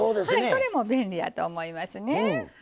それも便利やと思いますね。